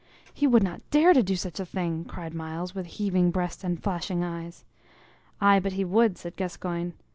"He would not dare to do such a thing!" cried Myles, with heaving breast and flashing eyes. "Aye, but he would," said Gascoyne.